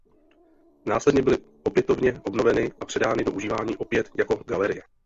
Následně byly opětovně obnoveny a předány do užívání opět jako galerie.